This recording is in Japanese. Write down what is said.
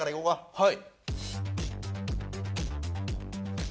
はい。